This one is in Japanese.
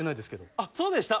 あそうでした？